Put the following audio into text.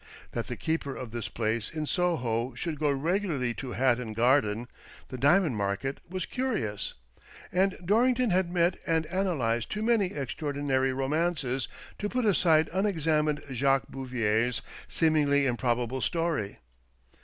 That the keeper of this place in Soho should go regularly to Hatton Garden, the diamond market, was curious, and Dorrington had met and analysed too many extraordinary romances to put aside unexamined Jacques Bouvier's seemingly improbable story.